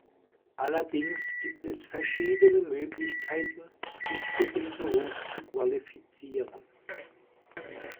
Allerdings gibt es verschiedene Möglichkeiten, sich für den Beruf zu qualifizieren.